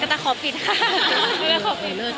กระต่าคอปปิดค่ะ